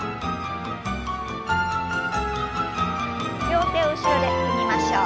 両手を後ろで組みましょう。